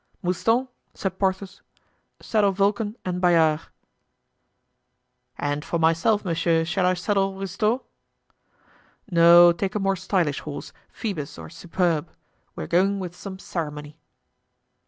"Mouston," said Porthos, "saddle Vulcan and Bayard." "And for myself, monsieur, shall I saddle Rustaud?" "No, take a more stylish horse, Phoebus or Superbe; we are going with some ceremony."